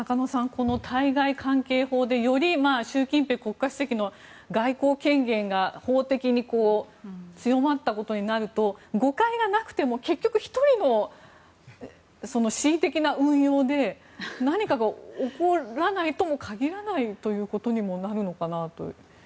この対外関係法でより習近平国家主席の外交権限が法的に強まったことになると誤解がなくても結局、１人の恣意的な運用で何かが起こらないとも限らないということにもなるのかなと。